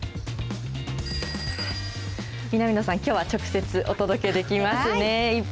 南野さん、きょうは直接お届けできますね。